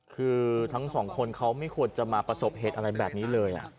คือทั้งสองคนเขาไม่ควรจะมาประสบเหตุอะไรแบบนี้เลย